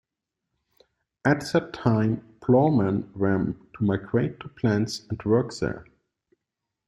At that time ploughmen were to migrate to plants and work there.